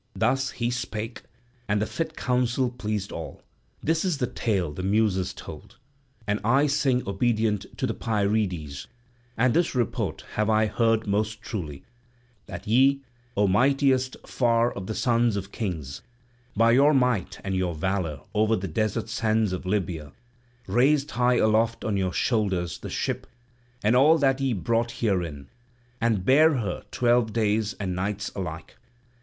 Thus he spake, and the fit counsel pleased all. This is the tale the Muses told; and I sing obedient to the Pierides, and this report have I heard most truly; that ye, O mightiest far of the sons of kings, by your might and your valour over the desert sands of Libya raised high aloft on your shoulders the ship and all that ye brought therein, and bare her twelve days and nights alike.